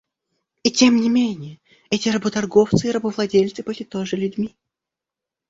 И, тем не менее, эти работорговцы и рабовладельцы были тоже людьми.